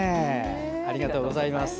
ありがとうございます。